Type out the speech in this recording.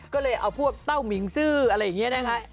ก็เลยเอาพวกเต้ามิงซื่ออะไรอย่างนี้นะคะ